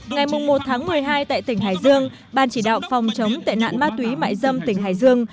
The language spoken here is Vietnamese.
ngày một tháng một mươi hai tại tỉnh hải dương ban chỉ đạo phòng chống tệ nạn ma túy mại dâm tỉnh hải dương